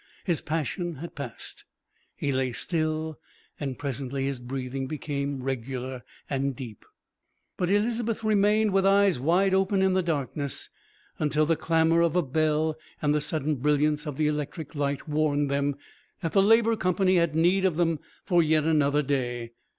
His passion had passed. He lay still, and presently his breathing became regular and deep. But Elizabeth remained with eyes wide open in the darkness, until the clamour of a bell and the sudden brilliance of the electric light warned them that the Labour Company had need of them for yet another day.